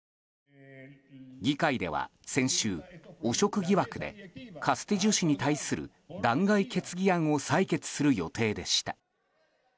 議会では先週、汚職疑惑でカスティジョ氏に対する弾劾決議案を採決する予定でした。